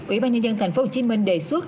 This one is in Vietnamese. ủy ban nhân dân tp hcm đề xuất